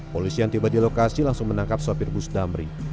polisi yang tiba di lokasi langsung menangkap sopir bus damri